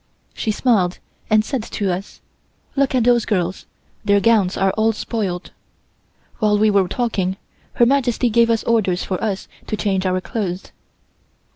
She smiled and said to us: "Look at those girls; their gowns are all spoiled." While we were talking, Her Majesty gave us orders for us to change our clothes.